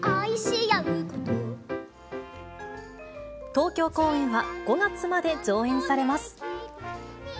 東京公演は５月まで上演されます。